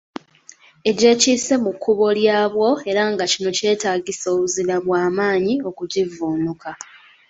Egyekiise mu kkubo lyabwo era nga kino kyetaagisa obuzira bwa maanyi okugivvuunuka.